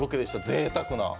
ぜいたくな。